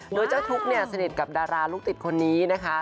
โดยเจ้าทุกข์เนี่ยสนิทกับดาราลูกติดคนนี้นะคะ